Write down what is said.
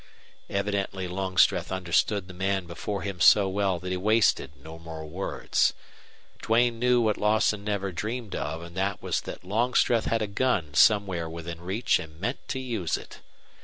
Evidently Longstreth understood the man before him so well that he wasted no more words. Duane knew what Lawson never dreamed of, and that was that Longstreth had a gun somewhere within reach and meant to use it.